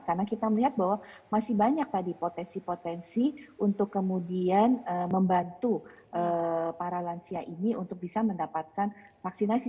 karena kita melihat bahwa masih banyak tadi potensi potensi untuk kemudian membantu para lansia ini untuk bisa mendapatkan vaksinasi